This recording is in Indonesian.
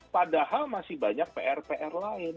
padahal masih banyak pr pr lain